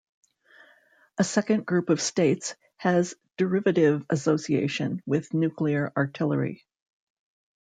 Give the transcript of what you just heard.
A second group of states has derivative association with nuclear artillery.